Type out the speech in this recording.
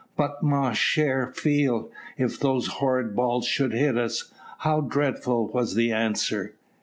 "But, ma chere fille, if those horrid balls should hit us, how dreadful!" was the answer.